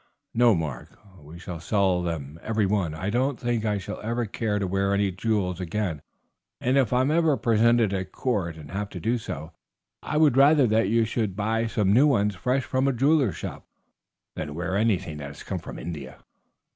"No, Mark, we will sell them every one. I don't think that I shall ever care to wear any jewels again; and if I am ever presented at court and have to do so, I would rather that you should buy some new ones fresh from a jeweler's shop than wear anything that has come from India."